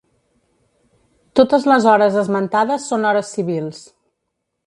Totes les hores esmentades són hores civils.